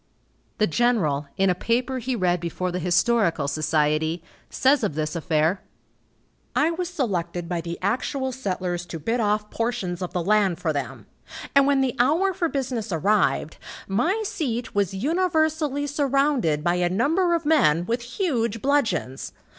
The general, in a paper he read before the Historical Society, says of this affair: "I was selected by the actual settlers to bid off portions of the land for them, and when the hour for business arrived, my seat was universally surrounded by a number of men with huge bludgeons.